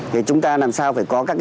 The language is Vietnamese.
thì chúng ta làm sao phải có các